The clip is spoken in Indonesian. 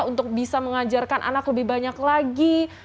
untuk bisa mengajarkan anak lebih banyak lagi